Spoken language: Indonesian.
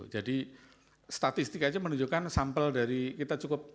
jadi statistik saja menunjukkan sampel dari kita cukup